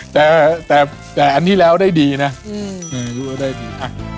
แต่แต่แต่อันที่แล้วได้ดีนะอืมอืมได้ดี